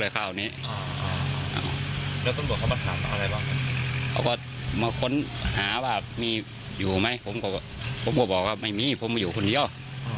เขาก็มาค้นหาว่ามีอยู่ไหมผมก็บอกว่าไม่มีผมมาอยู่คนเดียว